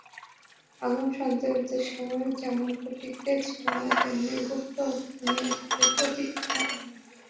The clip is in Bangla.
আগুন-সন্ত্রাসের সময় যেমন প্রতিক্রিয়া ছিল না, তেমনি গুপ্তহত্যা নিয়েও তাদের প্রতিক্রিয়া নেই।